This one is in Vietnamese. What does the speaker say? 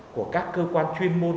của các cơ quan chuyên môn